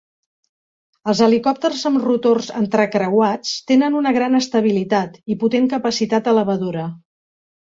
Els helicòpters amb rotors entrecreuats tenen una gran estabilitat i potent capacitat elevadora.